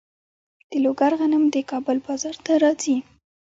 د لوګر غنم د کابل بازار ته راځي.